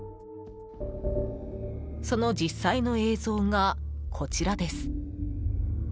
その実際の映像が、こちらです。